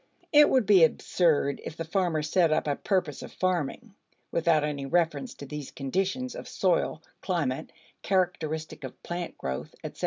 It would be absurd if the farmer set up a purpose of farming, without any reference to these conditions of soil, climate, characteristic of plant growth, etc.